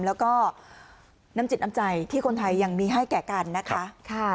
แล้วก็น้ำจิตน้ำใจที่คนไทยยังมีให้แก่กันนะคะ